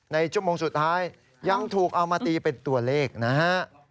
ในช่วงสุดท้ายยังถูกเอามาตีเป็นตัวเลขนะฮะ